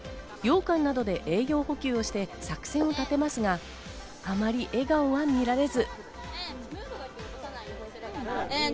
ようかんなどで栄養補給をして作戦を立てますが、あまり笑顔は見られず。